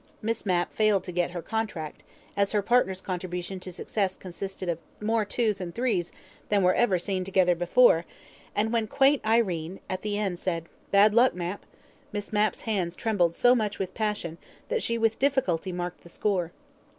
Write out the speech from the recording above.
Miss Mapp failed to get her contract, as her partner's contribution to success consisted of more twos and threes than were ever seen together before, and when quaint Irene at the end said: "Bad luck, Mapp," Miss Mapp's hands trembled so much with passion that she with difficulty marked the score.